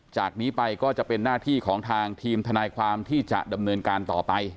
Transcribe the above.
จากนี้ไปก็จะเป็นหน้าที่ของทางทีมทนายความที่จะดำเนินการต่อไป